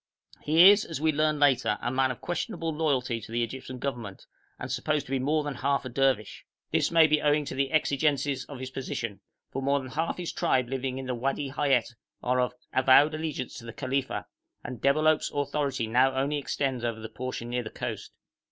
He is, as we learnt later, a man of questionable loyalty to the Egyptian Government, and supposed to be more than half a Dervish; this may be owing to the exigencies of his position, for more than half his tribe living in the Wadi Hayet are of avowed allegiance to the Khalifa, and Debalohp's authority now only extends over the portion near the coast.